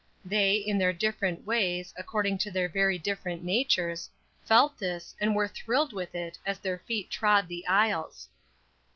They, in their different ways, according to their very different natures, felt this and were thrilled with it as their feet trod the aisles.